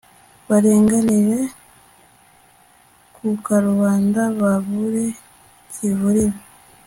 barenganire ku karubanda, babure kivurira